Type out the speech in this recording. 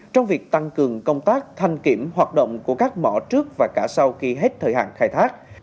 trong việc tăng cường công tác thanh kiểm hoạt động của các mỏ trước và cả sau khi hết thời hạn khai thác